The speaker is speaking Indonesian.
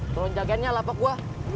perlu jagainnya lapak gua